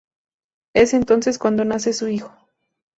Es entonces cuando nace su hijo.